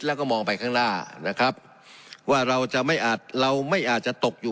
แล้วก็มองไปข้างหน้านะครับว่าเราจะไม่อาจเราไม่อาจจะตกอยู่